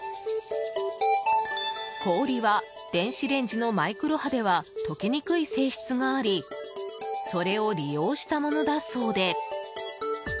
氷は電子レンジのマイクロ波では解けにくい性質がありそれを利用したものだそうで。